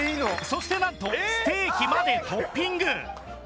そしてなんとステーキまでトッピング！